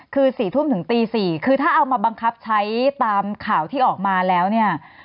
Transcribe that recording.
คือ๔ทุ่มถึงตี๔คือถ้าเอามาบังคับใช้ตามข่าวที่ออกมาแล้วเนี่ย